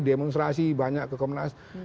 demonstrasi banyak ke komnas